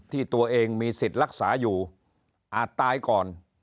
ที่ตัวเองมีสิทธิ์รักษาอยู่อาจตายก่อน